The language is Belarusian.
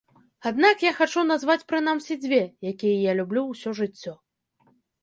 Аднак я хачу назваць прынамсі дзве, якія люблю ўсё жыццё.